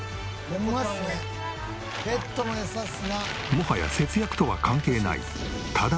もはや節約とは関係ない。